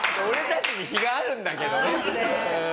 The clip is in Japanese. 俺たちに非があるんだけどね。